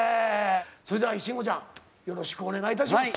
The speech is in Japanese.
それでは慎吾ちゃんよろしくお願いいたします。